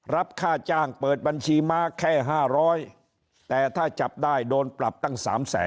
รับค่าจ้างเปิดบัญชีม้าแค่๕๐๐แต่ถ้าจับได้โดนปรับตั้ง๓แสน